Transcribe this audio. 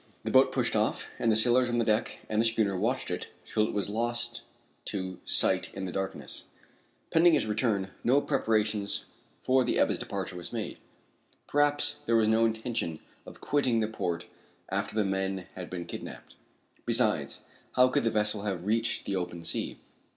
The boat pushed off, and the sailors on the deck of the schooner watched it till it was lost to sight in the darkness. Pending its return, no preparations for the Ebba's departure were made. Perhaps there was no intention of quitting the port after the men had been kidnapped. Besides, how could the vessel have reached the open sea?